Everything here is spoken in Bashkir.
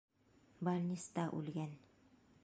Бальниста үлгән.